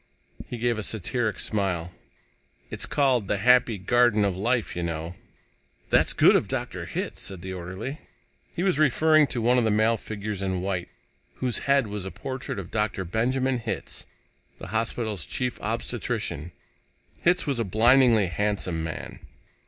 He gave a satiric smile. "It's called 'The Happy Garden of Life,' you know." "That's good of Dr. Hitz," said the orderly. He was referring to one of the male figures in white, whose head was a portrait of Dr. Benjamin Hitz, the hospital's Chief Obstetrician. Hitz was a blindingly handsome man.